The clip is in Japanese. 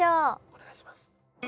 お願いします。